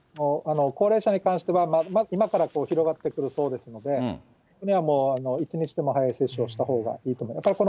高齢者に関しては、今から広がってくるそうですので、一日でも早い接種をしたほうがいいと思います。